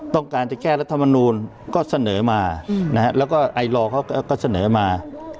ต้องการจะแก้รัฐมนูลก็เสนอมาแล้วก็ไอลอร์เขาก็เสนอมา